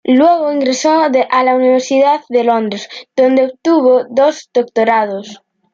Luego ingresó a la Universidad de Londres, donde obtuvo dos doctorados.